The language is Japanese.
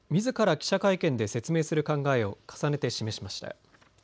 記者会見で説明する考えを重ねて示しました。